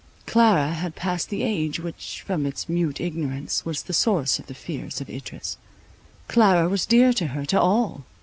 Clara had passed the age which, from its mute ignorance, was the source of the fears of Idris. Clara was dear to her, to all.